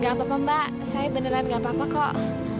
gak apa apa mbak saya beneran gak apa apa kok